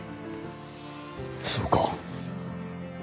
そうか。